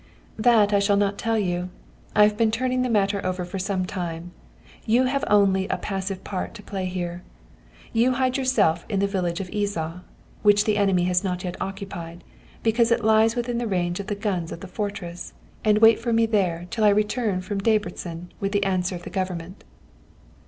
"'That I shall not tell you. I've been turning the matter over for some time. You have only a passive part to play here. You hide yourself in the village of Izsa, which the enemy has not occupied, because it lies within the range of the guns of the fortress, and wait for me there till I return from Debreczin with the answer of the Government.'"